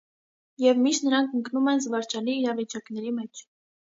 Եվ միշտ նրանք ընկնում են զվարճալի իրավիճակների մեջ։